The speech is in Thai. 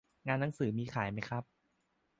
งานหนังสือมีขายไหมครับ